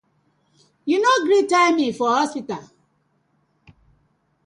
Yu been no gree tell me for hospital.